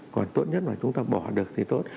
còn tốt nhất mà chúng ta bỏ được thì tốt